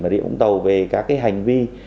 mà địa vũng tàu về các hành vi